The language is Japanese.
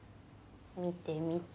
見て見て。